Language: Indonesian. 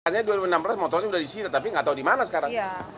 sebenarnya dua ribu enam belas motornya udah disini tapi gak tau dimana sekarang